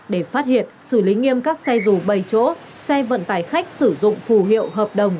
để phát hiện xử lý nghiêm các xe dù bảy chỗ xe vận tải khách sử dụng phù hiệu hợp đồng